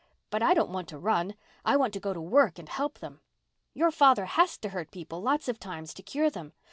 But I don't want to run—I want to go to work and help them. Your father has to hurt people lots of times to cure them.